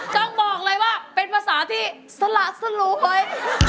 ต้องบอกเลยว่าเป็นภาษาที่สละสลวย